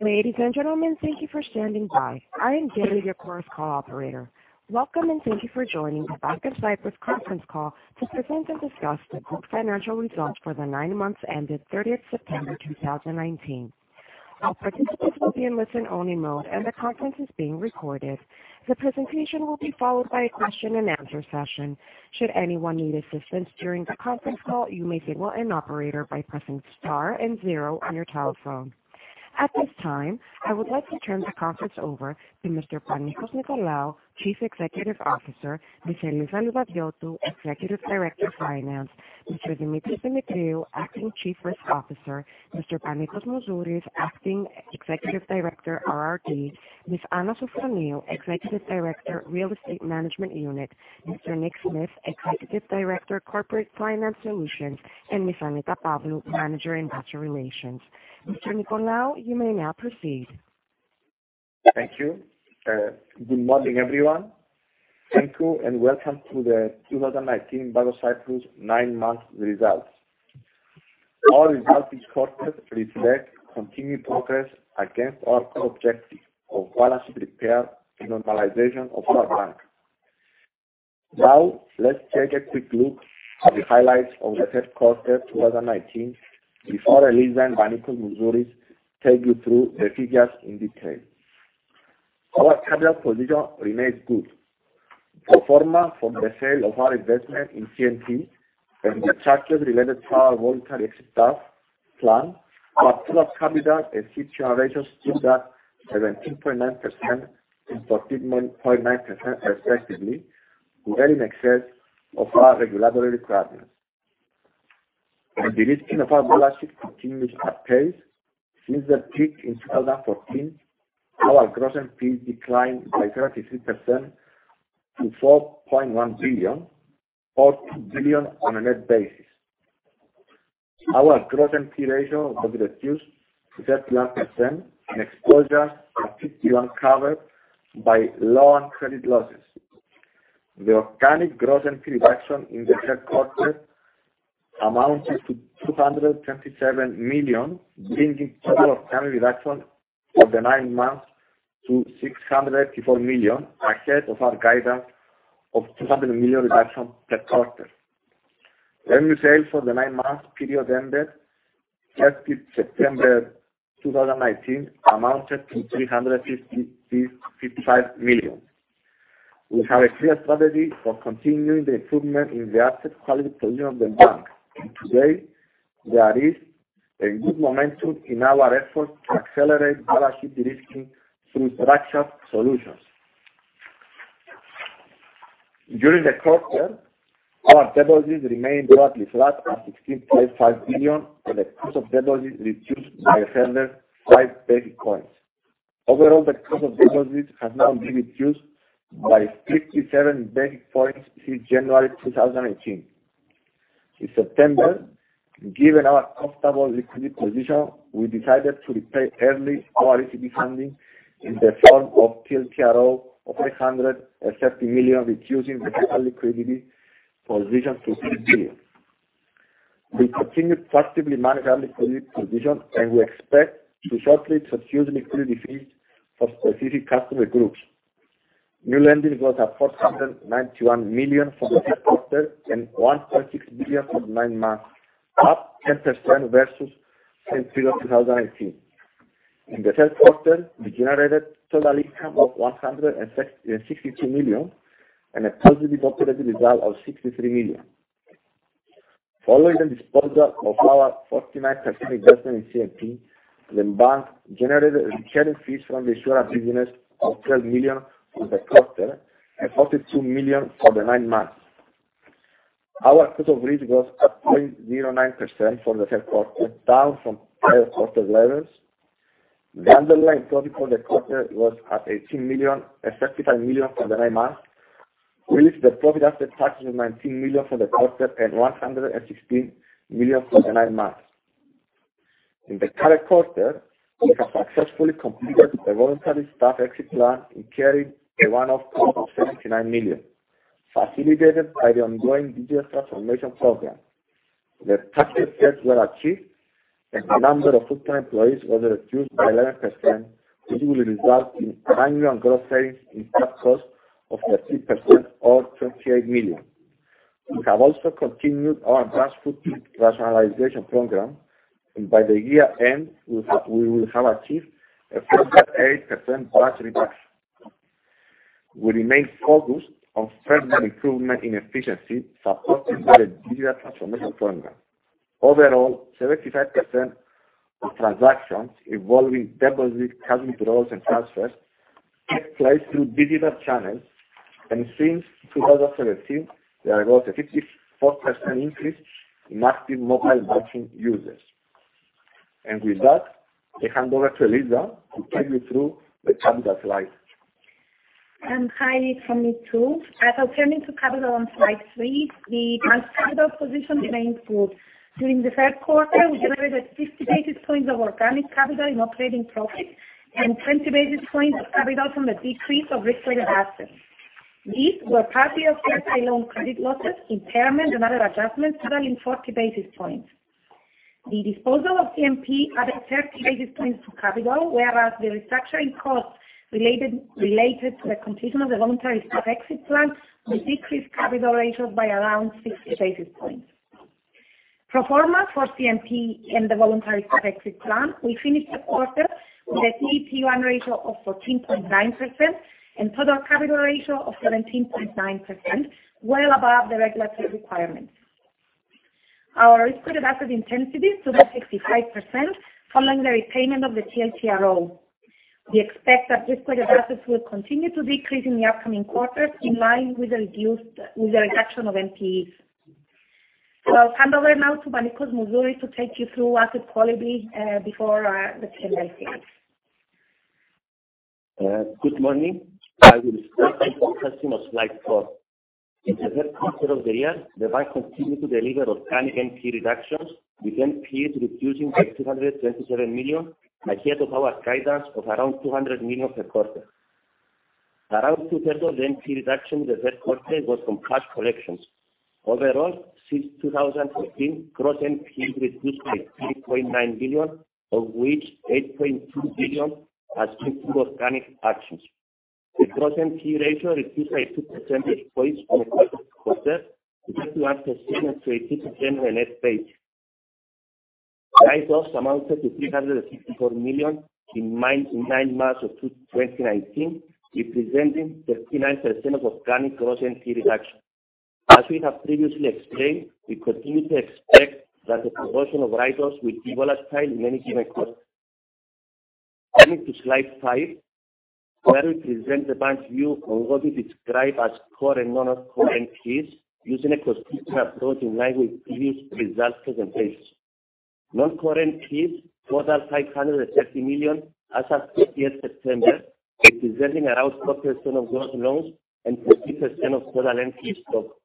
Ladies and gentlemen, thank you for standing by. I am Gail, your Chorus Call operator. Welcome, and thank you for joining the Bank of Cyprus conference call to present and discuss the group's financial results for the nine months ended 30th September 2019. All participants will be in listen-only mode, and the conference is being recorded. The presentation will be followed by a question-and-answer session. Should anyone need assistance during the conference call, you may signal an operator by pressing star and zero on your telephone. At this time, I would like to turn the conference over to Mr. Panicos Nicolaou, Chief Executive Officer; Ms. Eliza Livadiotou, Executive Director of Finance; Mr. Demetris Demetriou, Acting Chief Risk Officer; Mr. Panicos Mouzouris, Acting Executive Director, RRD; Ms. Anna Sofroniou, Executive Director, Real Estate Management Unit; Mr. Nick Smith, Executive Director, Corporate Finance Solutions; and Ms. Annita Pavlou, Manager in Investor Relations. Mr. Nicolaou, you may now proceed. Thank you. Good morning, everyone. Thank you, welcome to the 2019 Bank of Cyprus nine-month results. Our results this quarter reflect continued progress against our core objective of balance sheet repair and normalization of our bank. Let's take a quick look at the highlights of the third quarter of 2019 before Eliza and Panicos Mouzouris take you through the figures in detail. Our capital position remains good. Pro forma from the sale of our investment in CNP and the charges related to our voluntary exit staff plan, our core capital and CET1 ratios stood at 17.9% and 14.9%, respectively, well in excess of our regulatory requirements. The de-risking of our balance sheet continues at pace. Since the peak in 2014, our gross NPE declined by 33% to 4.1 billion, 4.0 billion on a net basis. Our gross NPE ratio was reduced to 31%, and exposures are 51 covered by loan credit losses. The organic gross NPE reduction in the third quarter amounted to 227 million, bringing total organic reduction for the nine months to 654 million, ahead of our guidance of 200 million reduction per quarter. Loan sales for the nine-month period ended 30th September 2019 amounted to 355 million. We have a clear strategy for continuing the improvement in the asset quality position of the bank, and today, there is a good momentum in our effort to accelerate balance sheet de-risking through structured solutions. During the quarter, our deposits remained broadly flat at 16.5 billion and the cost of deposits reduced by 105 basis points. Overall, the cost of deposits has now been reduced by 57 basis points since January 2018. In September, given our comfortable liquidity position, we decided to repay early our ECB funding in the form of TLTRO of 330 million, reducing the total liquidity position to 3 billion. We continued to actively manage our liquidity position, and we expect to shortly substitute liquidity fees for specific customer groups. New lending was at 491 million for the third quarter and 1.6 billion for the nine months, up 10% versus the same period 2018. In the third quarter, we generated total income of 162 million and a positive operating result of 63 million. Following the disposal of our 49% investment in CNP, the bank generated recurring fees from the insurer business of 12 million for the quarter and 42 million for the nine months. Our cost of risk was at 0.09% for the third quarter, down from prior quarter levels. The underlying profit for the quarter was at 18 million, and 65 million for the nine months. We released the profit after taxes, 19 million for the quarter and 116 million for the nine months. In the current quarter, we have successfully completed the voluntary staff exit plan, incurring a one-off cost of 79 million, facilitated by the ongoing digital transformation program. The targeted cuts were achieved, and the number of full-time employees was reduced by 11%, which will result in annual gross savings in staff cost of 13% or 28 million. We have also continued our branch footprint rationalization program, and by the year-end, we will have achieved a 48% branch reduction. We remain focused on further improvement in efficiency, supported by the digital transformation program. Overall, 75% of transactions involving deposits, cash withdrawals, and transfers take place through digital channels, and since 2017, there was a 54% increase in active mobile banking users. With that, I hand over to Eliza to take you through the capital slide. Hi from me, too. Turning to capital on slide three, the bank's capital position remains good. During the third quarter, we generated 50 basis points of organic capital in operating profit and 20 basis points of capital from the decrease of risk-weighted assets. These were partly offset by loan credit losses, impairment and other adjustments totaling 40 basis points. The disposal of CNP added 30 basis points to capital, whereas the restructuring costs related to the completion of the voluntary staff exit plan will decrease capital ratios by around 60 basis points. Pro forma for CNP and the voluntary staff exit plan, we finished the quarter with a CET1 ratio of 14.9% and total capital ratio of 17.9%, well above the regulatory requirements. Our risk-weighted assets intensity stood at 65%, following the repayment of the TLTRO. We expect that risk-weighted assets will continue to decrease in the upcoming quarters, in line with the reduction of NPEs. I'll hand over now to Panicos Mouzouris to take you through asset quality before the Q&A phase. Good morning. I will start by discussing on slide four. In the first quarter of the year, the Bank continued to deliver organic NPE reductions, with NPEs reducing by 227 million, ahead of our guidance of around 200 million per quarter. Around two-thirds of the NPE reduction in the third quarter was from cash collections. Overall, since 2014, gross NPEs reduced by 3.9 billion, of which 8.2 billion has seen organic actions. The gross NPE ratio reduced by two percentage points from the previous quarter to 31% as compared to 33% the last period. Write-offs amounted to 364 million in nine months of 2019, representing 39% of organic gross NPE reduction. As we have previously explained, we continue to expect that the proportion of write-offs will be volatile in any given quarter. Turning to slide five, where we present the bank's view on what we describe as core and non-core NPEs, using a prescription approach in line with previous results presentations. Non-core NPEs totaled EUR 530 million as at 30th September, representing around 4% of gross loans and 15% of total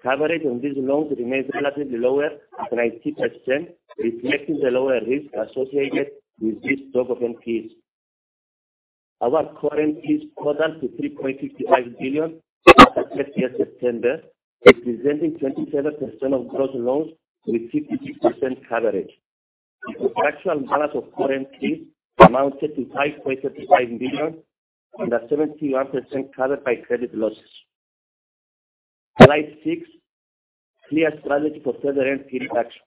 NPE stock. Coverage on these loans remains relatively lower at 19%, reflecting the lower risk associated with this stock of NPEs. Our core NPEs totaled to EUR 3.65 billion as at 30th September, representing 27% of gross loans with 56% coverage. The contractual balance of core NPEs amounted to 5.35 billion and are 71% covered by credit losses. Slide six, clear strategy for further NPE reduction.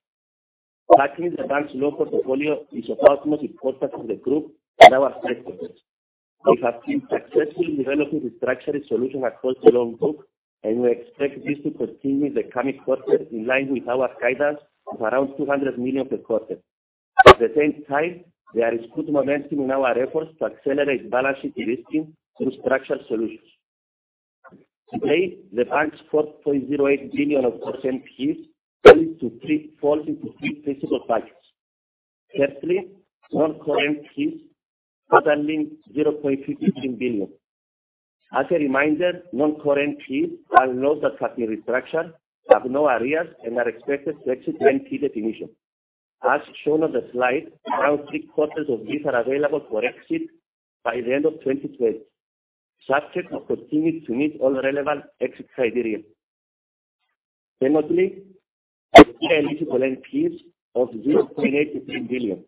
Tackling the bank's loan portfolio is of utmost importance to the group and our stakeholders. We have been successfully developing restructuring solutions across the loan book, and we expect this to continue in the coming quarters in line with our guidance of around 200 million per quarter. At the same time, there is good momentum in our efforts to accelerate balance sheet de-risking through structural solutions. Today, the bank's 4.08 billion of gross NPEs falls into three principal buckets. Firstly, non-core NPEs totaling 0.15 billion. As a reminder, non-core NPEs are loans that have been restructured, have no arrears, and are expected to exit NPE definition. As shown on the slide, around three-quarters of these are available for exit by the end of 2020, subject to continued to meet all relevant exit criteria. Secondly, Estia-eligible NPEs of EUR 0.83 billion.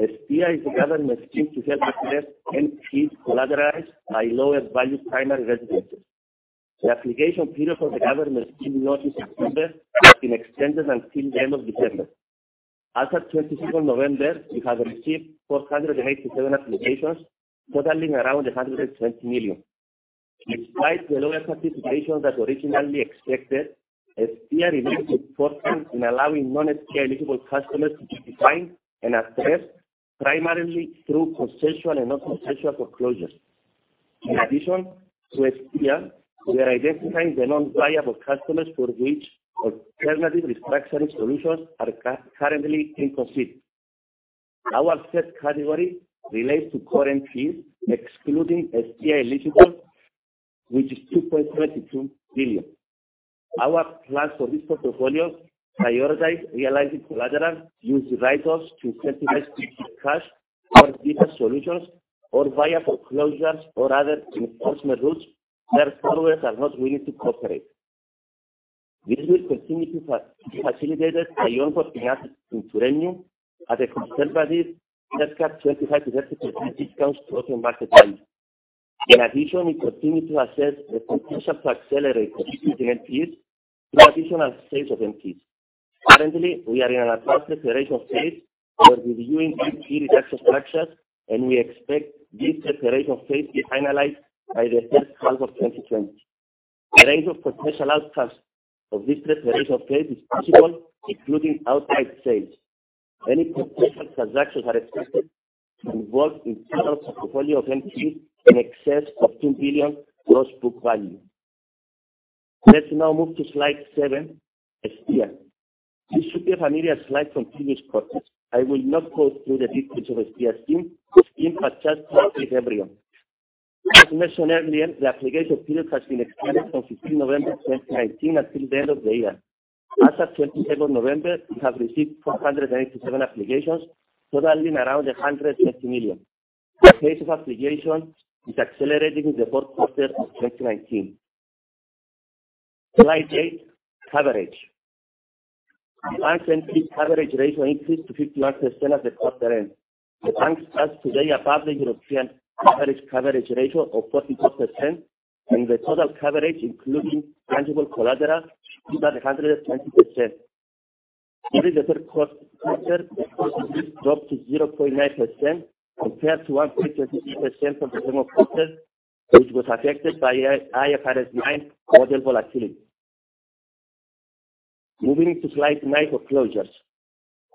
Estia is a government scheme to help address NPEs collateralized by lower value primary residences. The application period for the government scheme launched in September has been extended until the end of December. As at 22nd November, we have received 487 applications totaling around 120 million. Despite the lower participation than originally expected, Estia remains important in allowing non-Estia eligible customers to be defined and addressed primarily through consensual and non-consensual foreclosures. In addition to Estia, we are identifying the non-viable customers for which alternative restructuring solutions are currently in concept. Our third category relates to core NPEs, excluding Estia eligible, which is 2.22 billion. Our plan for this portfolio prioritize realizing collateral, use the write-offs to incentivize quick hit cash or deeper solutions or via foreclosures or other enforcement routes where borrowers are not willing to cooperate. This will continue to be facilitated by loan portfolios in, [inaudible] at a conservative haircut 25%-30% discounts to open market value. We continue to assess the potential to accelerate reducing NPEs through additional sales of NPEs. Currently, we are in an advanced preparation phase where we're reviewing NPE reduction structures. We expect this preparation phase to be finalized by the first half of 2020. A range of potential outcomes of this preparation phase is possible, including outright sales. Any potential transactions are expected to involve internal portfolio of NPEs in excess of 2 billion gross book value. Let's now move to slide seven, Estia. This should be a familiar slide from previous quarters. I will not go through the details of Estia scheme, as just covered with everyone. Mentioned earlier, the application period has been extended from 15 November 2019 until the end of the year. At 27 November, we have received 487 applications totaling around 150 million. The pace of application is accelerating in the fourth quarter of 2019. Slide eight, coverage. The bank's NPL coverage ratio increased to 51% at the quarter end. The bank stands today above the European average coverage ratio of 44%, and the total coverage, including tangible collateral, is about 120%. During the third quarter, the cost dropped to 0.9% compared to 1.33% from the same quarter, which was affected by IFRS9 model volatility. Moving to slide nine, foreclosures.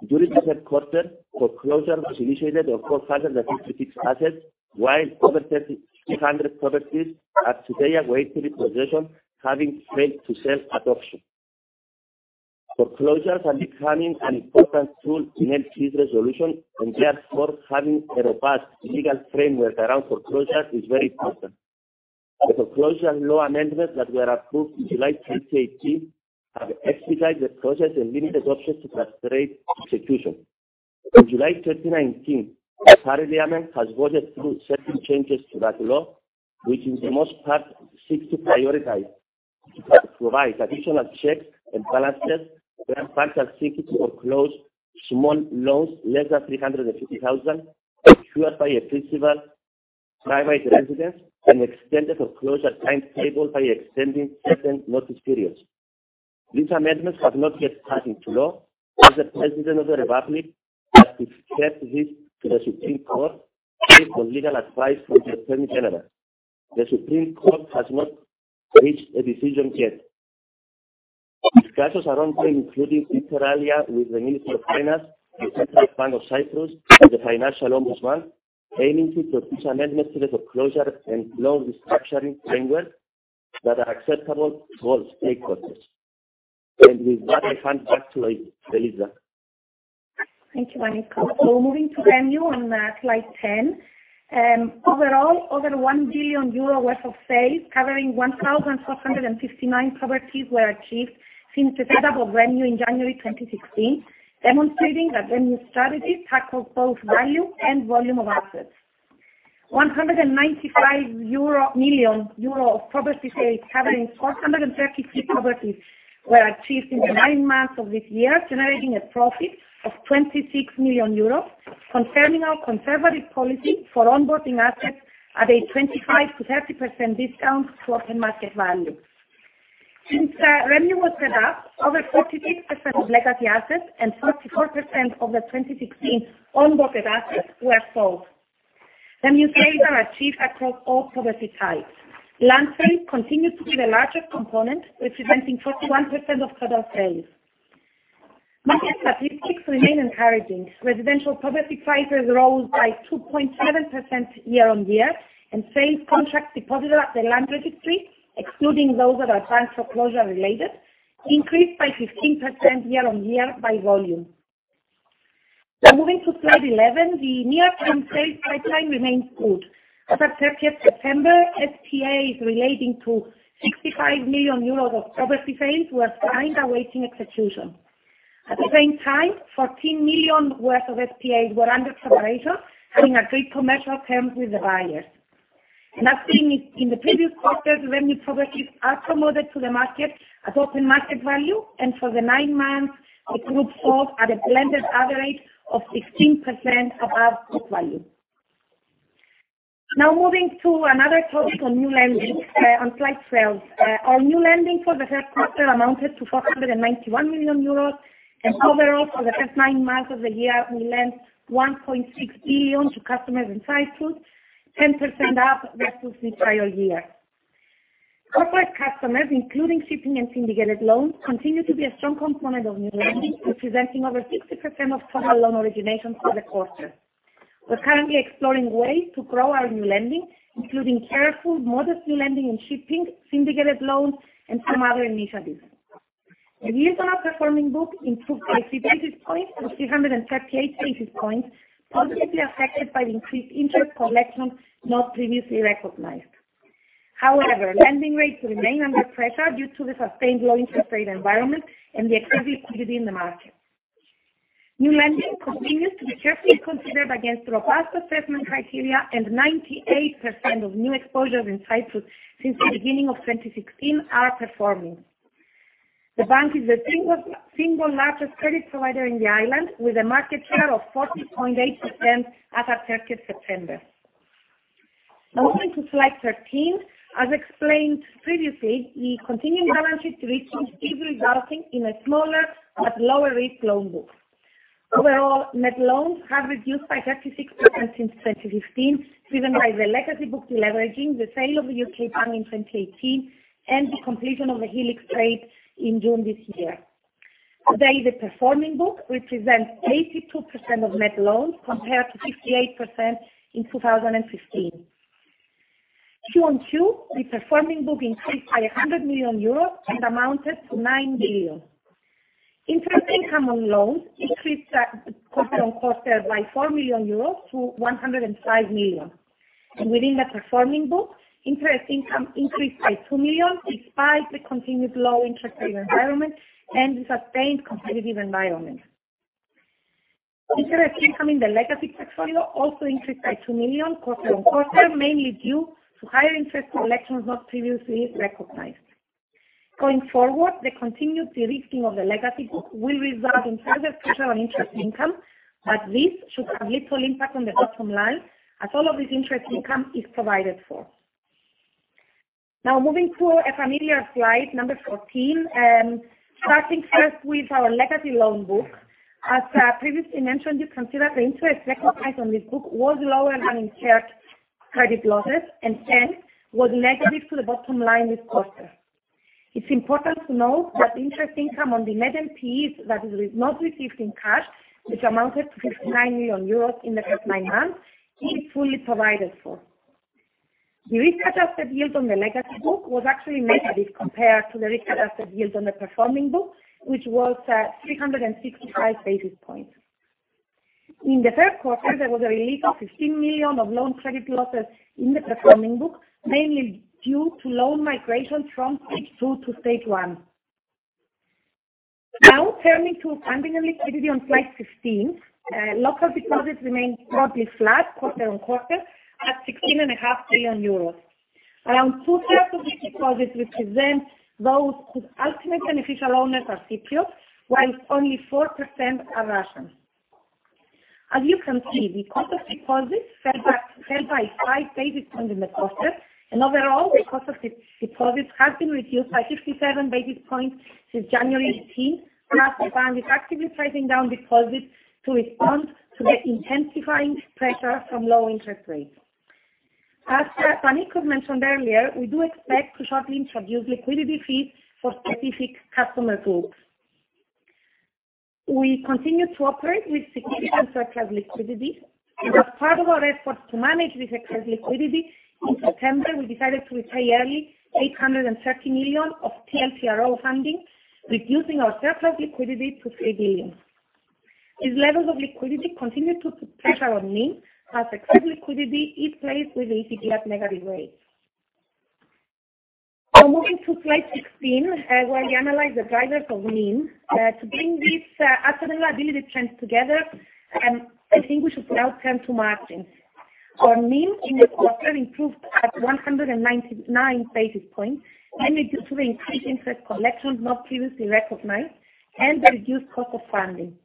During the third quarter, foreclosure was initiated on 456 assets, while over 1,300 properties are today awaiting repossession, having failed to sell at auction. Foreclosures are becoming an important tool in NPL resolution, and therefore having a robust legal framework around foreclosures is very important. The foreclosure law amendments that were approved in July 2018 have expedited the process and limited options to frustrate execution. In July 2019, the parliament has voted through certain changes to that law, which in the most part seeks to prioritize, to provide additional checks and balances when banks are seeking to foreclose small loans less than 350,000, secured by a principal, private residence, and extended foreclosure timetable by extending certain notice periods. These amendments have not yet passed into law, as the President of the Republic has referred this to the Supreme Court, pending on legal advice from the Attorney General. The Supreme Court has not reached a decision yet. Discussions are ongoing, including, inter alia, with the Minister of Finance, the Central Bank of Cyprus, and the Financial Ombudsman, aiming to produce amendments to the foreclosure and loan restructuring framework that are acceptable to all stakeholders. With that, I hand back to Eliza. Thank you, Panicos. Moving to revenue on slide 10. Overall, over 1 billion euro worth of sales covering 1,459 properties were achieved since the set up of REMU in January 2016, demonstrating that REMU strategy tackles both value and volume of assets. 195 million euro of property sales covering 433 properties were achieved in the nine months of this year, generating a profit of 26 million euros, confirming our conservative policy for onboarding assets at a 25%-30% discount to open market value. Since REMU was set up, over 46% of legacy assets and 34% of the 2016 onboarded assets were sold. REMU sales are achieved across all property types. Land sales continue to be the largest component, representing 41% of total sales. Market statistics remain encouraging. Residential property prices rose by 2.7% year-on-year, and sales contracts deposited at the land registry, excluding those that are bank foreclosure-related, increased by 15% year-on-year by volume. Moving to slide 11, the near-term sales pipeline remains good. As at 30th September, SPAs relating to 65 million euros of property sales were signed awaiting execution. At the same time, 14 million worth of SPAs were under preparation, having agreed commercial terms with the buyers. As seen in the previous quarters, REMU properties are promoted to the market at open market value, and for the nine months, the group sold at a blended average of 16% above book value. Moving to another topic on new lending on slide 12. Our new lending for the third quarter amounted to 491 million euros, overall, for the first nine months of the year, we lent 1.6 billion to customers in Cyprus, 10% up versus the prior year. Corporate customers, including shipping and syndicated loans, continue to be a strong component of new lending, representing over 60% of total loan originations for the quarter. We're currently exploring ways to grow our new lending, including careful, modestly lending and shipping, syndicated loans, and some other initiatives. The year on our performing book improved by 50 basis points to 338 basis points, positively affected by the increased interest collections not previously recognized. However, lending rates remain under pressure due to the sustained low interest rate environment and the activity within the market. New lending continues to be carefully considered against robust assessment criteria, and 98% of new exposures in Cyprus since the beginning of 2016 are performing. The bank is the single largest credit provider in the island, with a market share of 40.8% as at 30th September. Now moving to slide 13. As explained previously, the continuing balance sheet de-risking is resulting in a smaller but lower rate loan book. Overall, net loans have reduced by 36% since 2015, driven by the legacy book deleveraging, the sale of the U.K. bank in 2018, and the completion of the Helix trade in June this year. Today, the performing book represents 82% of net loans, compared to 58% in 2015. Q on Q, the performing book increased by 100 million euros and amounted to 9 billion. Interest income on loans increased quarter on quarter by 4 million euros to 105 million. Within the performing book, interest income increased by 2 million, despite the continued low interest rate environment and the sustained competitive environment. Interest income in the legacy portfolio also increased by 2 million quarter on quarter, mainly due to higher interest collections not previously recognized. Going forward, the continued de-risking of the legacy book will result in further pressure on interest income, but this should have little impact on the bottom line as all of this interest income is provided for. Now moving to a familiar slide, number 14, and starting first with our legacy loan book. As previously mentioned, you consider the interest recognized on this book was lower than incurred credit losses, and hence, was negative to the bottom line this quarter. It's important to note that interest income on the net NPEs that is not received in cash, which amounted to 59 million euros in the first nine months, is fully provided for. The risk-adjusted yield on the legacy book was actually negative compared to the risk-adjusted yield on the performing book, which was at 365 basis points. In the third quarter, there was a release of 15 million of loan credit losses in the performing book, mainly due to loan migration from stage 2 to stage 1. Now turning to funding and liquidity on slide 15. Local deposits remained broadly flat quarter-on-quarter at 16.5 billion euros. Around two-thirds of these deposits represent those whose ultimate beneficial owners are Cypriot, whilst only 4% are Russian. As you can see, the cost of deposits fell by five basis points in the quarter. Overall, the cost of deposits has been reduced by 57 basis points since January 2018, as the bank is actively pricing down deposits to respond to the intensifying pressure from low interest rates. As Panicos mentioned earlier, we do expect to shortly introduce liquidity fees for specific customer groups. We continue to operate with significant surplus liquidity. As part of our effort to manage this excess liquidity, in September, we decided to repay early 830 million of TLTRO funding, reducing our surplus liquidity to 3 billion. These levels of liquidity continue to put pressure on NIM as excess liquidity is placed with the ECB at negative rates. Moving to slide 16, where I analyze the drivers of NIM. To bring these asset and liability trends together, I think we should now turn to margins. Our NIM in the quarter improved at 199 basis points, mainly due to the increased interest collections not previously recognized and the reduced cost of funding.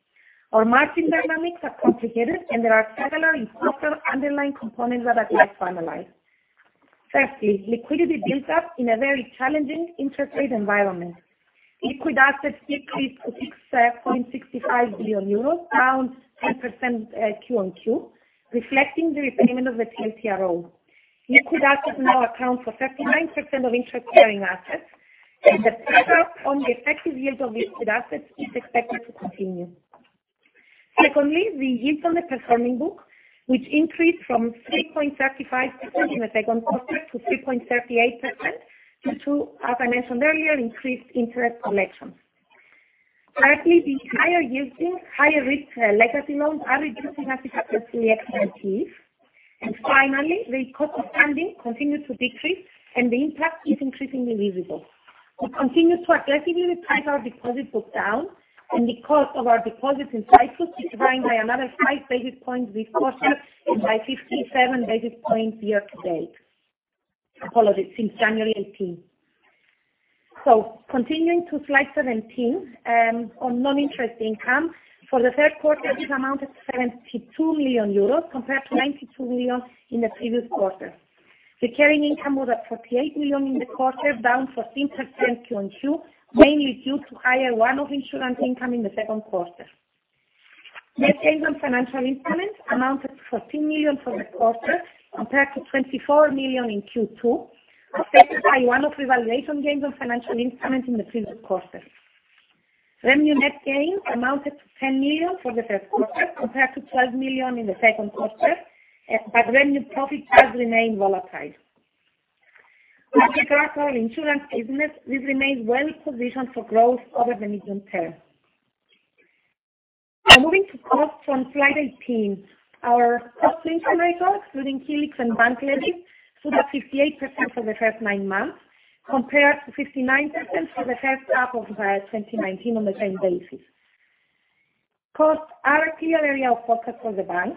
Our margin dynamics are complicated. There are several important underlying components that I'd like to analyze. Firstly, liquidity built up in a very challenging interest rate environment. Liquid assets increased to €6.65 billion, around 10% Q on Q, reflecting the repayment of the TLTRO. Liquid assets now account for 39% of interest-bearing assets. The pressure on the effective yield of liquid assets is expected to continue. Secondly, the yield on the performing book, which increased from 3.35% in the second quarter to 3.38% due to, as I mentioned earlier, increased interest collections. Thirdly, the higher yielding, higher-risk legacy loans are reducing as we capture CX and fees. Finally, the cost of funding continues to decrease, and the impact is increasingly visible. We continue to aggressively price our deposit book down, and the cost of our deposits in Cyprus declined by another five basis points this quarter and by 57 basis points year-to-date. Apologies, since January 2018. Continuing to slide seventeen on non-interest income. For the third quarter, this amounted to 72 million euros compared to 92 million in the previous quarter. The carrying income was at 48 million in the quarter, down 14% Q on Q, mainly due to higher one-off insurance income in the second quarter. Net gains on financial instruments amounted to 14 million for the quarter, compared to 24 million in Q2, affected by one-off revaluation gains on financial instruments in the previous quarter. Revenue net gains amounted to 10 million for the third quarter, compared to 12 million in the second quarter, but revenue profits have remained volatile. As regards our insurance business, this remains well positioned for growth over the medium term. Now moving to costs on slide 18. Our cost-income ratio, excluding Helix and bank levy, stood at 58% for the first nine months, compared to 59% for the first half of 2019 on the same basis. Costs are a key area of focus for the bank.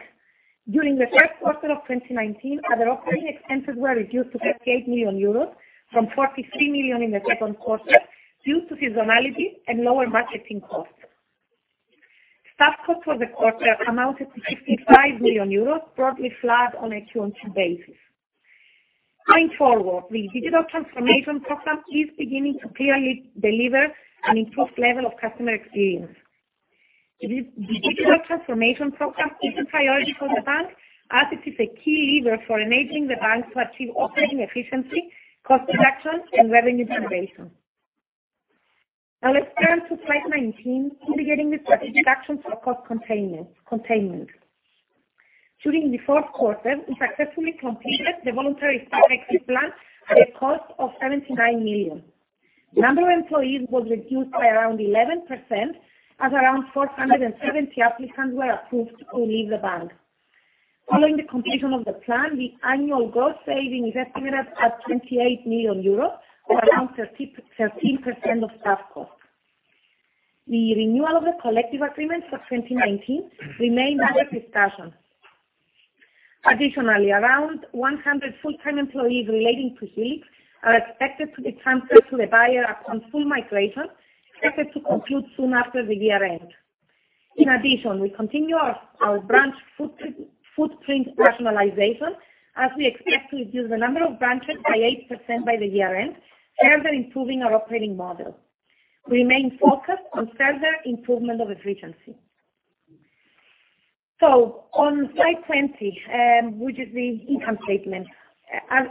During the third quarter of 2019, other operating expenses increased to 58 million euros from 43 million in the second quarter due to seasonality and lower marketing costs. Staff costs for the quarter amounted to 55 million euros, broadly flat on a Q on Q basis. Going forward, the digital transformation program is beginning to clearly deliver an improved level of customer experience. The digital transformation program is a priority for the Bank as it is a key lever for enabling the Bank to achieve operating efficiency, cost reduction, and revenue generation. Let's turn to slide 19, completing the discussion for cost containments. During the fourth quarter, we successfully completed the voluntary staff exit plan at a cost of 79 million. Number of employees was reduced by around 11%, as around 470 applicants were approved to leave the Bank. Following the completion of the plan, the annual gross saving is estimated at 28 million euros or around 13% of staff costs. The renewal of the collective agreement for 2019 remains under discussion. Additionally, around 100 full-time employees relating to Helix are expected to be transferred to the buyer upon full migration, expected to conclude soon after the year end. In addition, we continue our branch footprint rationalization as we expect to reduce the number of branches by 8% by the year end, further improving our operating model. We remain focused on further improvement of efficiency. On slide 20, which is the income statement.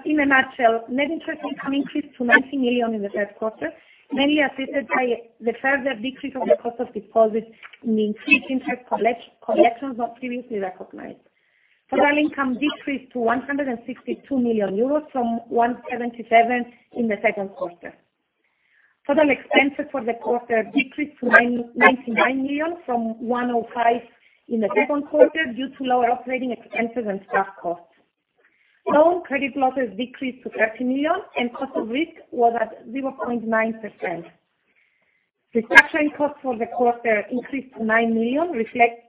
In a nutshell, net interest income increased to 90 million in the third quarter, mainly assisted by the further decrease of the cost of deposits and the increased interest collections not previously recognized. Total income decreased to 162 million euros from 177 in the second quarter. Total expenses for the quarter decreased to 99 million from 105 in the second quarter, due to lower operating expenses and staff costs. Loan credit losses decreased to 30 million. Cost of risk was at 0.9%. Restructuring costs for the quarter increased to 9 million,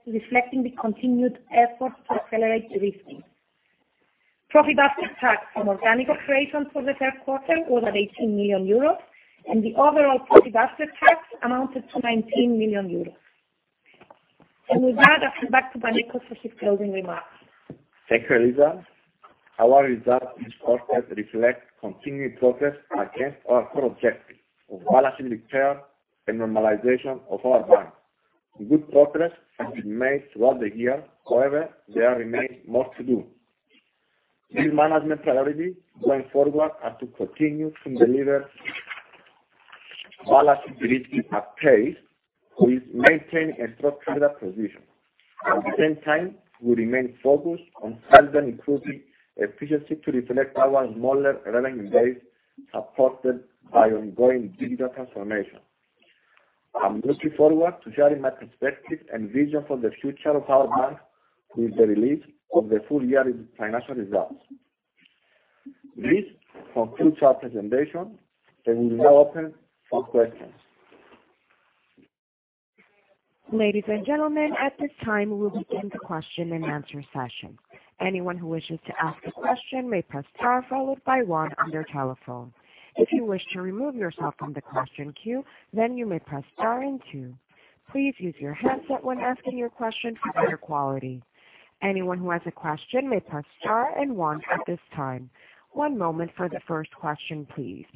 reflecting the continued effort to accelerate de-risking. Profit after tax from organic operations for the third quarter was at 18 million euros, and the overall profit after tax amounted to 19 million euros. With that, I send back to Panicos for his closing remarks. Thank you, Eliza. Our results this quarter reflect continued progress against our core objective of balancing repair and normalization of our bank. Good progress has been made throughout the year. However, there remains more to do. The management priorities going forward are to continue to deliver balance sheet de-risking at pace, while maintaining a strong capital position. At the same time, we remain focused on further improving efficiency to reflect our smaller revenue base, supported by ongoing digital transformation. I'm looking forward to sharing my perspective and vision for the future of our bank with the release of the full year financial results. This concludes our presentation, and we will now open for questions. Ladies and gentlemen, at this time, we will begin the question and answer session. Anyone who wishes to ask a question may press star followed by one on their telephone. If you wish to remove yourself from the question queue, then you may press star and two. Please use your headset when asking your question for better quality. Anyone who has a question may press star and one at this time. One moment for the first question, please.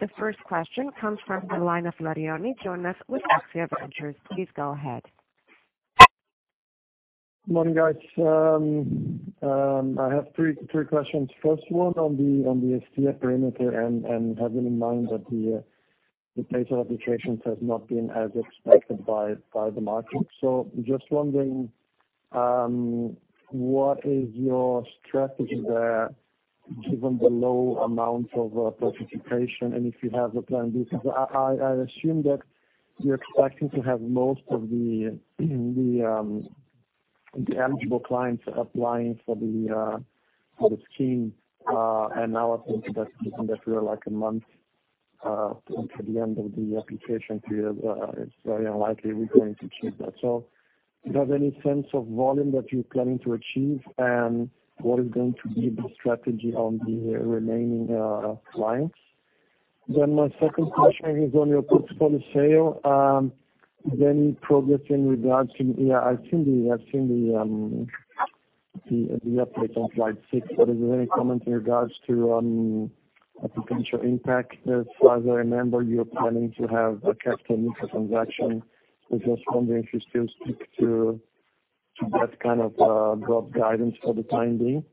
The first question comes from the line of Floriani, Jonas with Axia Ventures. Please go ahead. Morning, guys. I have three questions. First one on the Estia parameter, having in mind that the pace of applications has not been as expected by the market. Just wondering, what is your strategy there given the low amount of participation, and if you have a plan B? I assume that you're expecting to have most of the eligible clients applying for the scheme. Now, I think that we are like a month into the end of the application period. It's very unlikely we're going to achieve that. Do you have any sense of volume that you're planning to achieve, and what is going to be the strategy on the remaining clients? My second question is on your portfolio sale. Any progress in regards to I've seen the update on slide six. Was there any comment in regards to potential impact? As far as I remember, you're planning to have a capital neutral transaction. I was just wondering if you still stick to that kind of broad guidance for the time being.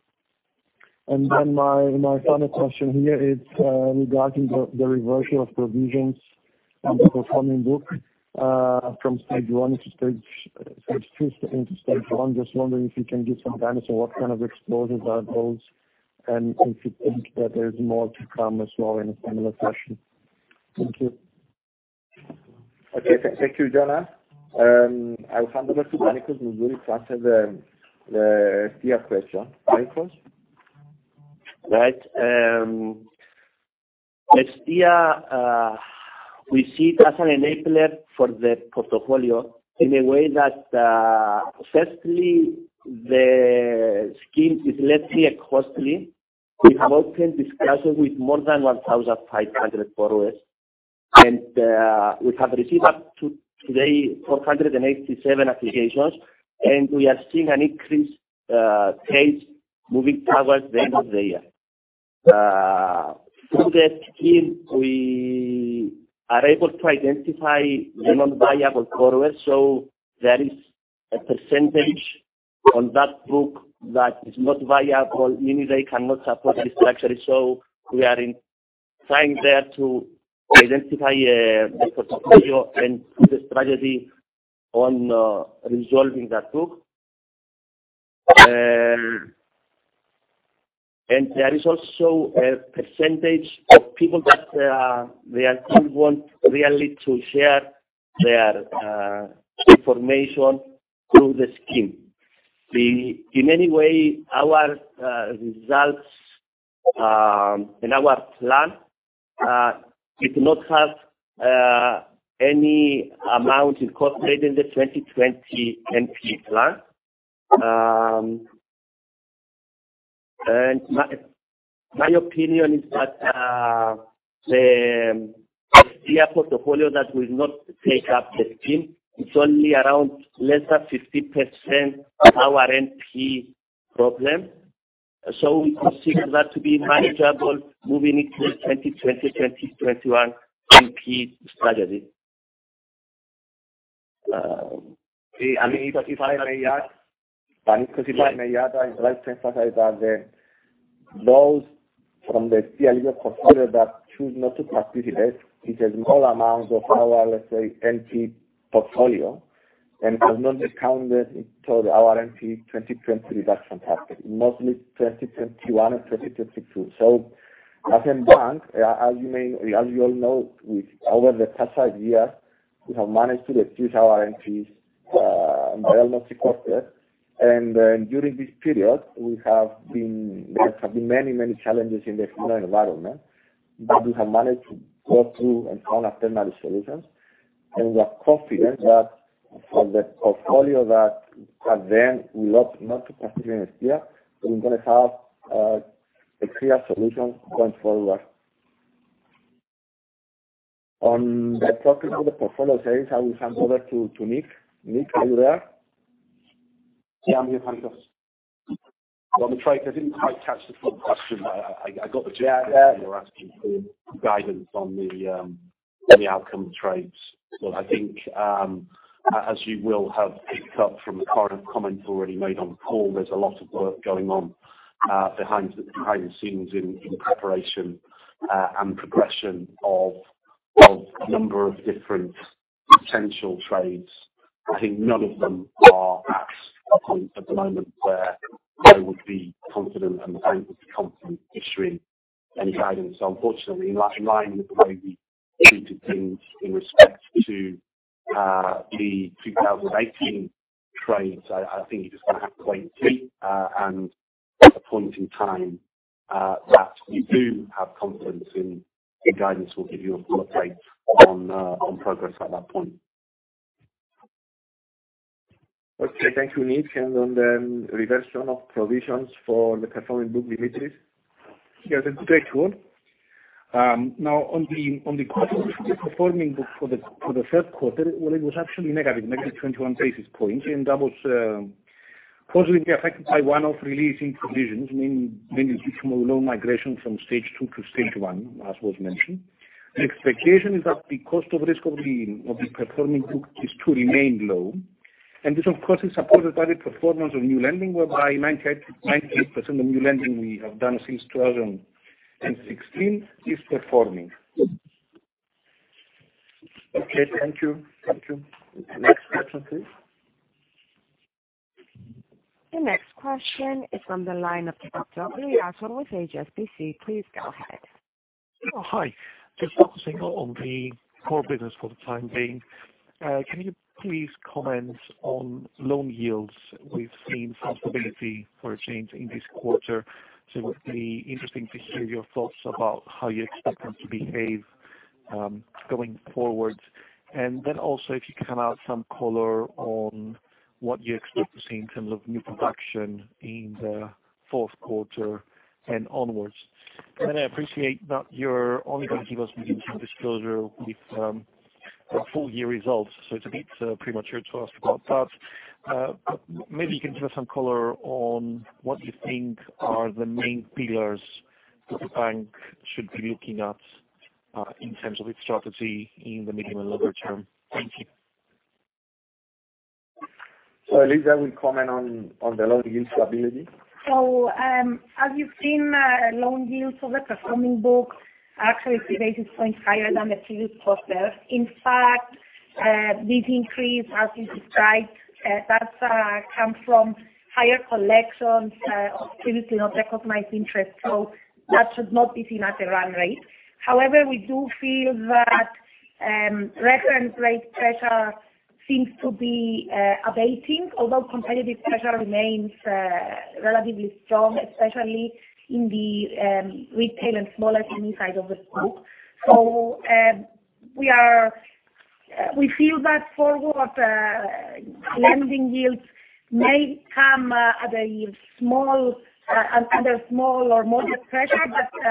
My final question here is regarding the reversion of provisions on the performing book from stage 1 into stage 2 into stage 1. Just wondering if you can give some guidance on what kind of exposures are those, and if you think that there is more to come as well in a similar fashion. Thank you. Okay. Thank you, Floriani. I'll hand over to Panicos, who will answer the Estia question. Panicos? Right. Estia, we see it as an enabler for the portfolio in a way that, firstly, the scheme is less costly. We have open discussions with more than 1,500 borrowers. We have received up to today 487 applications, and we are seeing an increased pace moving towards the end of the year. Through that scheme, we are able to identify the non-viable borrowers. There is a percentage on that book that is not viable, meaning they cannot support restructuring. We are in Trying there to identify a better portfolio and put a strategy on resolving that book. There is also a percentage of people that still want really to share their information through the scheme. In any way, our results and our plan, it does not have any amount incorporated in the 2020 NPE plan. My opinion is that the clear portfolio that will not take up the scheme, it's only around less than 15% of our NPE problem. We consider that to be manageable moving into 2020, 2021 NPE strategy. If I may add, I'd like to emphasize that those from the Estia portfolio that choose not to participate, it's a small amount of our, let's say, NP portfolio, and it was not discounted toward our NP 2020 reduction target, mostly 2021 and 2022. As a bank, as you all know, over the past years, we have managed to reduce our NPs dramatically. During this period, there have been many challenges in the economic environment that we have managed to go through and find alternate solutions. We are confident that for the portfolio that at the end will opt not to participate in Estia, we're going to have a clear solution going forward. On the topic of the portfolio sales, I will hand over to Nick. Nick, are you there? Yeah, I'm here, Panicos. On the trades, I didn't quite catch the full question. I got the gist that you were asking for guidance on the outcome trades. I think, as you will have picked up from the comments already made on the call, there's a lot of work going on behind the scenes in preparation and progression of a number of different potential trades. I think none of them are at a point at the moment where I would be confident, and the bank would be confident, issuing any guidance. Unfortunately, in line with the way we treated things in respect to the 2018 trades, I think you're just going to have to wait and see. At a point in time that we do have confidence in the guidance, we'll give you a full update on progress at that point. Okay. Thank you, Nick. On the reversion of provisions for the performing book, Demetris? Yes. Good day to all. On the cost of risk for the performing book for the third quarter, well, it was actually negative, -21 basis points, and that was positively affected by one-off release in provisions, mainly due to loan migration from stage 2 to stage 1, as was mentioned. The expectation is that the cost of risk of the performing book is to remain low, and this, of course, is supported by the performance of new lending, whereby 98% of new lending we have done since 2016 is performing. Okay, thank you. Next question, please. The next question is on the line of [inaudible] with HSBC. Please go ahead. Hi. Just focusing on the core business for the time being. Can you please comment on loan yields? We've seen some stability for a change in this quarter, so it would be interesting to hear your thoughts about how you expect them to behave going forward. Then also, if you can add some color on what you expect to see in terms of new production in the fourth quarter and onwards. I appreciate that you're only going to give us meaningful disclosure with the full-year results, so it's a bit premature to ask about that. Maybe you can give us some color on what you think are the main pillars that the bank should be looking at in terms of its strategy in the medium and longer term. Thank you. Eliza will comment on the loan yield stability. As you've seen, loan yields for the performing book are 30 basis points higher than the previous quarter. This increase, as you described, that comes from higher collections, previously not recognized interest, so that should not be seen at a run rate. We do feel that reference rate pressure seems to be abating, although competitive pressure remains relatively strong, especially in the retail and smaller SME side of the book. We feel that forward, lending yields may come under small or modest pressure,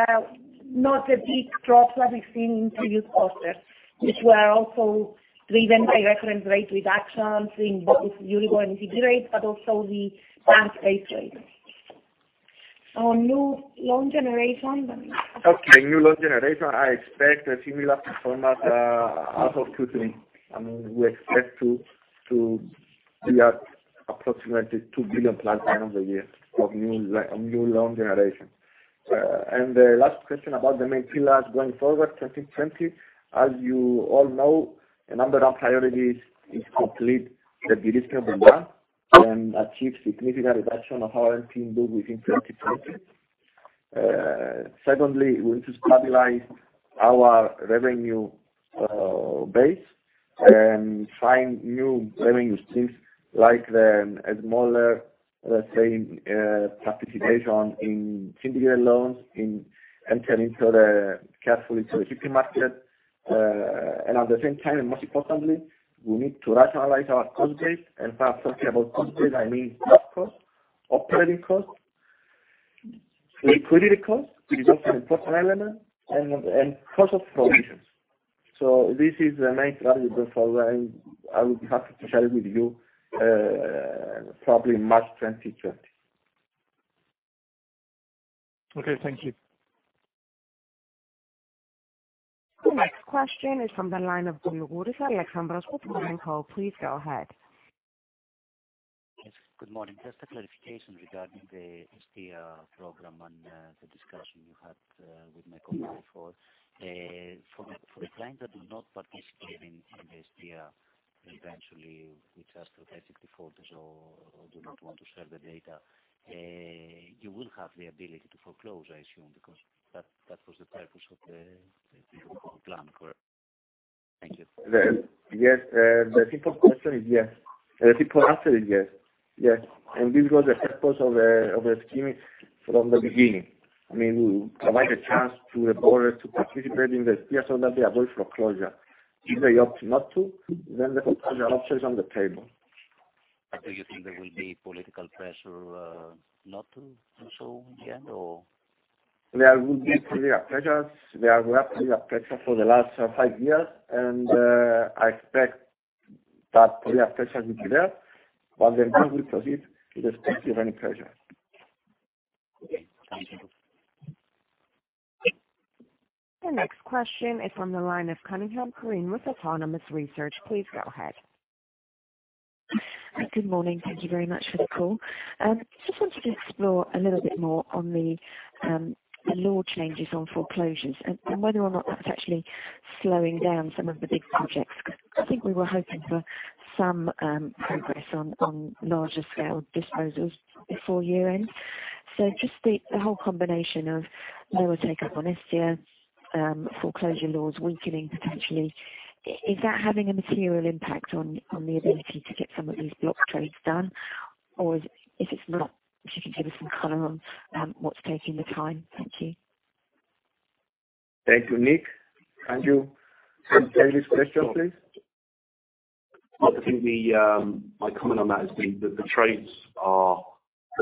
but not a big drop like we've seen in previous quarters, which were also driven by reference rate reductions in both Euribor and LIBOR rates, but also the bank base rates. On new loan generation, Demetris? Okay, new loan generation, I expect a similar performance as of Q3. We expect to be at. Approximately 2 billion plus run rate a year of new loan generation. The last question about the main pillars going forward, 2020. As you all know, a number of priorities is complete the de-risk of the bank and achieve significant reduction of our NPAs pool within 2020. Secondly, we want to stabilize our revenue base and find new revenue streams like the smaller, let's say, participation in syndicated loans, in entering carefully into the GP market. At the same time, and most importantly, we need to rationalize our cost base. By talking about cost base, I mean staff cost, operating cost, liquidity cost, which is also an important element, and cost of provisions. This is the main strategy going forward, and I would be happy to share it with you probably in March 2020. Okay, thank you. The next question is from the line of Dylan Goudis, Alexandros with Morgan Stanley. Please go ahead. Yes. Good morning. Just a clarification regarding the Estia program and the discussion you had with my colleague before. For the clients that do not participate in the Estia, eventually, which are strategic defaulters or do not want to share the data, you will have the ability to foreclose, I assume, because that was the purpose of the plan. Thank you. Yes. The simple answer is yes. This was the purpose of the scheme from the beginning. We provide a chance to the borrower to participate in the Estia so that they avoid foreclosure. If they opt not to, the foreclosure option is on the table. Do you think there will be political pressure not to do so in the end? There will be political pressures. There were political pressure for the last five years, and I expect that political pressure will be there. The bank will proceed irrespective of any pressure. Okay, thank you. The next question is from the line of Cunningham, Careen with Autonomous Research. Please go ahead. Good morning. Thank you very much for the call. Just wanted to explore a little bit more on the law changes on foreclosures and whether or not that's actually slowing down some of the big projects. Because I think we were hoping for some progress on larger scale disposals before year-end. Just the whole combination of lower take-up on Estia, foreclosure laws weakening potentially. Is that having a material impact on the ability to get some of these block trades done? If it's not, if you can give us some color on what's taking the time. Thank you. Thank you. Nick, can you take this question, please? I think my comment on that is the trades are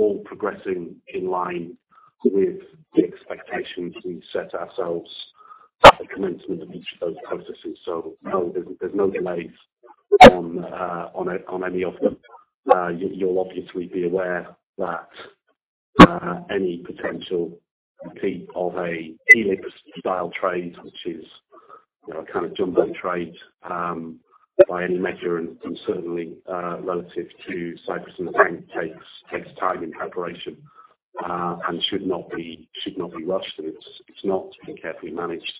all progressing in line with the expectations we set ourselves at the commencement of each of those processes. No, there's no delays on any of them. You'll obviously be aware that any potential repeat of a Helix-style trade, which is a jumbo trade by any measure and certainly relative to Cyprus as a bank, takes time and preparation and should not be rushed. It's not. It's been carefully managed.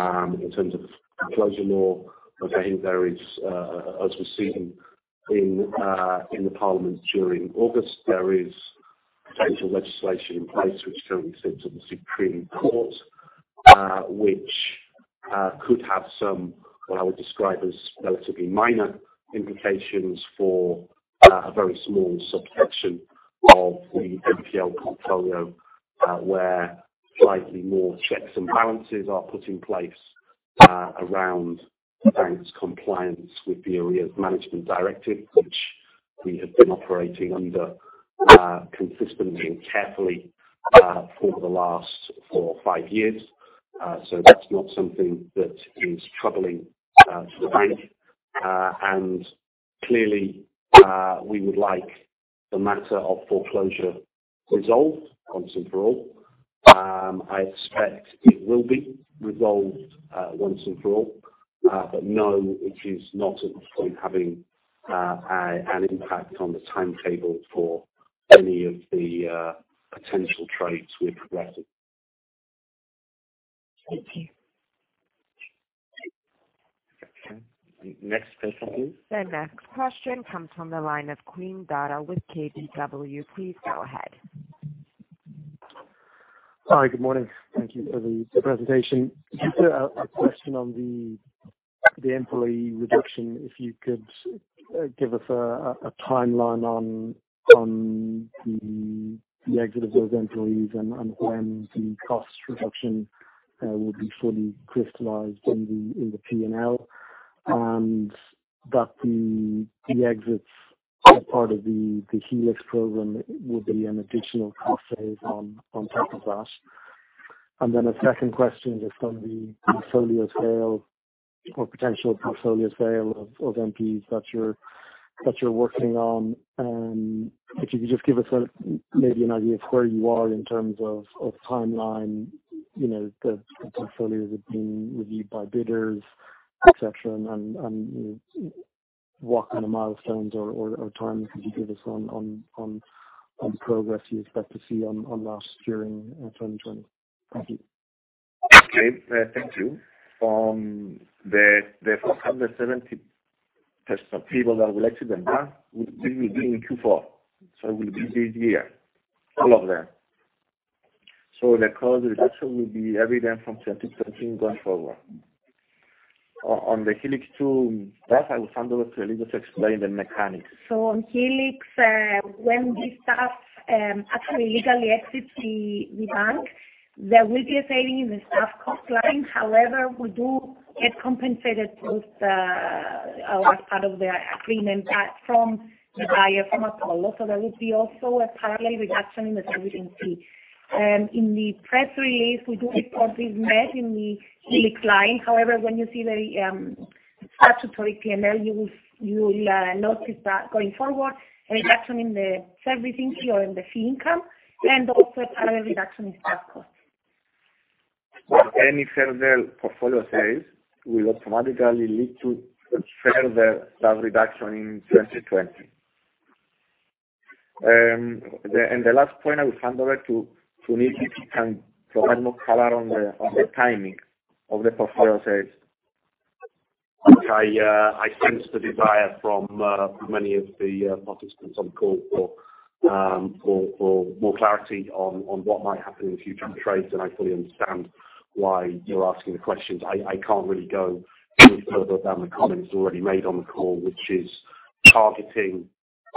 In terms of foreclosure law, again, as we've seen in the parliament during August, there is potential legislation in place which currently sits at the Supreme Court, which could have some, what I would describe as relatively minor implications for a very small sub-section of the NPL portfolio, where slightly more checks and balances are put in place around banks' compliance with the Arrears Management Directive, which we have been operating under consistently and carefully for the last four or five years. That's not something that is troubling for the bank. Clearly we would like the matter of foreclosure resolved once and for all. I expect it will be resolved once and for all. No, it is not at this point having an impact on the timetable for any of the potential trades we're progressing. Thank you. Okay. Next question, please. The next question comes from the line of Queen Dara with KBW. Please go ahead. Hi, good morning. Thank you for the presentation. Just a question on the employee reduction, if you could give us a timeline on the exit of those employees and when the cost reduction will be fully crystallized in the P&L. That the exits as part of the Helix program would be an additional cost save on top of that. A second question just on the portfolio sale or potential portfolio sale of NPEs that you're working on. If you could just give us maybe an idea of where you are in terms of timeline. The portfolios are being reviewed by bidders, et cetera, and what kind of milestones or timelines could you give us on progress you expect to see on last during 2020? Thank you. Okay. Thank you. The first 170 people that we elected in Bank, this will be in Q4, so it will be this year, all of them. The cost reduction will be evident from 2020 going forward. On the Helix 2 path, I will hand over to Eliza to explain the mechanics. On Helix, when this staff actually legally exits the bank, there will be a saving in the staff cost line. We do get compensated with our part of the agreement from the buyer, from Apollo, so there will be also a parallel reduction in the service fee. In the press release, we do report this net in the Helix line. When you see the statutory P&L, you will notice that going forward, a reduction in the service fee or in the fee income and also a parallel reduction in staff costs. Any further portfolio sales will automatically lead to a further staff reduction in 2020. The last point, I will hand over to Nick, if he can provide more color on the timing of the portfolio sales. I sense the desire from many of the participants on call for more clarity on what might happen in future trades. I fully understand why you're asking the questions. I can't really go any further than the comments already made on the call, which is targeting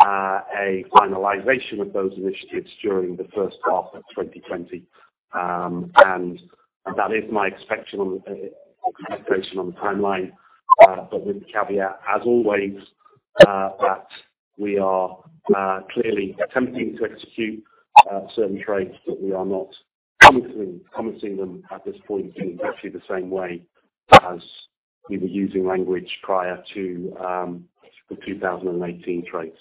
a finalization of those initiatives during the first half of 2020. That is my expectation on the timeline, but with the caveat, as always, that we are clearly attempting to execute certain trades, but we are not commenting them at this point in exactly the same way as we were using language prior to the 2018 trades.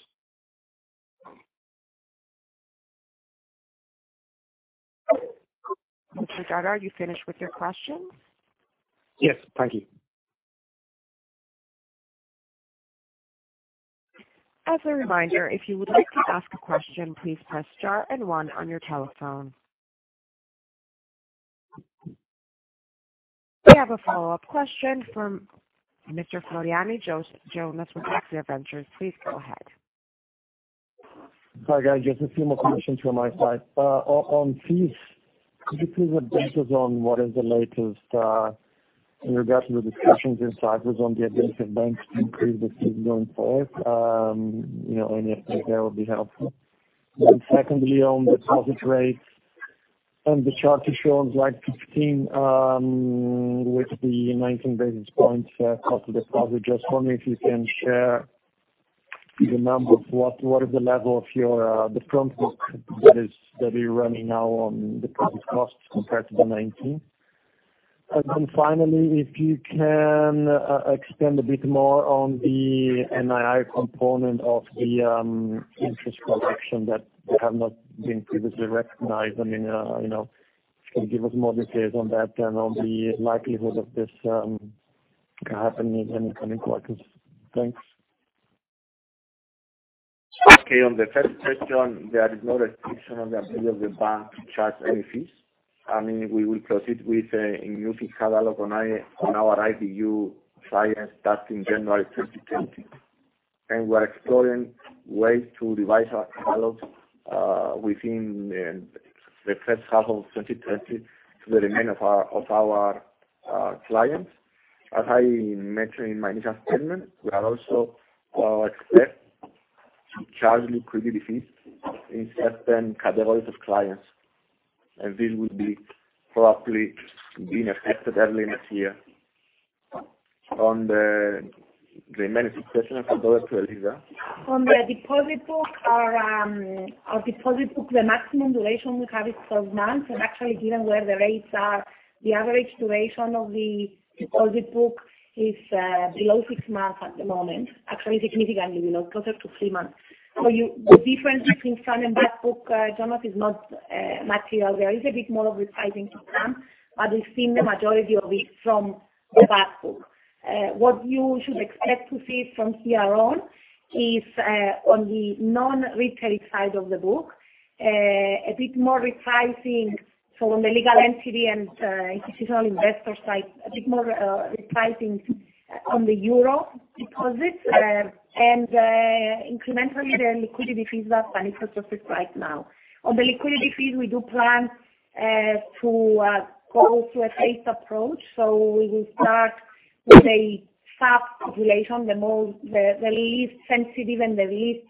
Mr. Goddard, are you finished with your questions? Yes. Thank you. As a reminder, if you would like to ask a question, please press star and one on your telephone. We have a follow-up question from Mr. Jonas Floriani with AXIA Ventures. Please go ahead. Hi, guys. Just a few more questions from my side. On fees, could you please update us on what is the latest, in regards to the discussions in Cyprus on the aggressive banks to increase the fees going forward? Any update there would be helpful. Secondly, on deposit rates, on the chart you showed slide 15, with the 19 basis points cost of deposit. Just for me, if you can share the number, what is the level of the front book that you're running now on deposit costs compared to the 19? Finally, if you can expand a bit more on the NII component of the interest collection that have not been previously recognized. If you can give us more details on that then on the likelihood of this happening in the coming quarters. Thanks. Okay, on the first question, there is no restriction on the ability of the bank to charge any fees. We will proceed with a new fee catalog on our IDU clients starting January 2020. We're exploring ways to revise our catalogs within the first half of 2020 to the remain of our clients. As I mentioned in my initial statement, we are also expect to charge liquidity fees in certain categories of clients, this will be probably being effective early next year. On the remaining two questions, I'll hand over to Eliza. On the deposit book, our deposit book, the maximum duration we have is 12 months. Actually, given where the rates are, the average duration of the deposit book is below six months at the moment, actually, significantly, closer to three months. The difference between front and back book, Jonas, is not material. There is a bit more of repricing to come, but we've seen the majority of it from the back book. What you should expect to see from here on is, on the non-retail side of the book, a bit more repricing from the legal entity and institutional investor side, a bit more repricing on the EUR deposits, and incrementally, the liquidity fees that Panicos just read now. On the liquidity fees, we do plan to go through a phased approach. We will start with a sub-population, the least sensitive and the least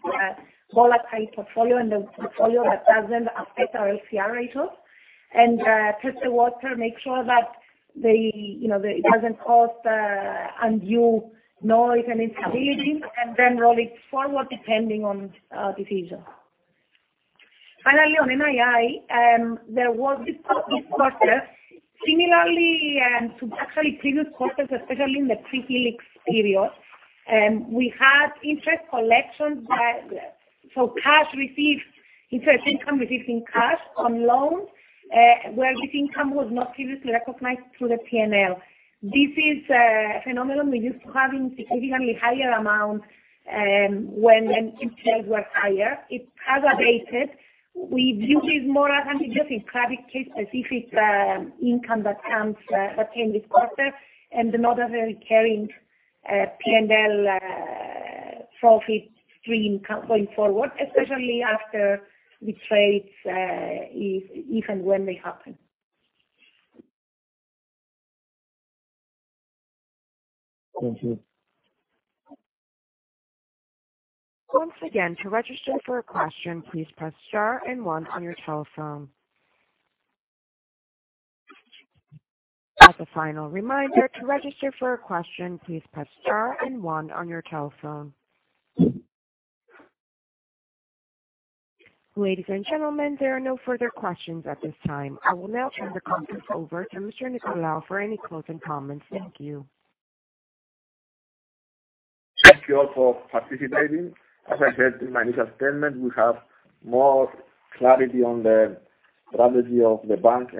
volatile portfolio, and the portfolio that doesn't affect our LCR ratios. Test the water, make sure that it doesn't cause undue noise and instability, and then roll it forward depending on decision. Finally, on NII, there was this quarter, similarly to actually previous quarters, especially in the pre-Helix period, we had interest collections, so cash received, interest income received in cash on loans, where this income was not previously recognized through the P&L. This is a phenomenon we used to have in significantly higher amounts when NIIs were higher. It has abated. We view this more as just a private case, specific income that came this quarter, and not a very carrying P&L profit stream going forward, especially after the trades, if and when they happen. Thank you. Once again, to register for a question, please press star and one on your telephone. As a final reminder, to register for a question, please press star and one on your telephone. Ladies and gentlemen, there are no further questions at this time. I will now turn the conference over to Mr. Nicolaou for any closing comments. Thank you. Thank you all for participating. As I said in my initial statement, we have more clarity on the strategy of the bank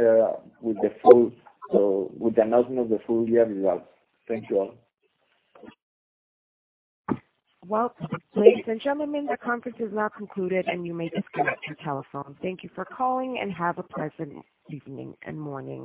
with the announcement of the full year results. Thank you all. Well, ladies and gentlemen, the conference is now concluded and you may disconnect your telephone. Thank you for calling and have a pleasant evening and morning.